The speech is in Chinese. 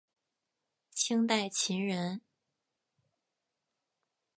清代琴人。